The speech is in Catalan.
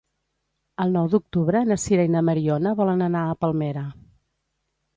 El nou d'octubre na Sira i na Mariona volen anar a Palmera.